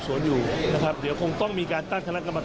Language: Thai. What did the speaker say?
สวัสดีครับ